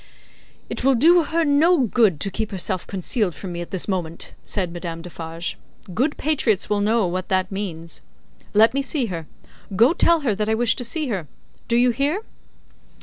"It will do her no good to keep herself concealed from me at this moment," said Madame Defarge. "Good patriots will know what that means. Let me see her. Go tell her that I wish to see her. Do you hear?"